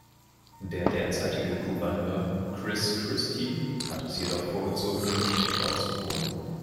Der derzeitige Gouverneur, Chris Christie, hat es jedoch vorgezogen, nicht dort zu wohnen.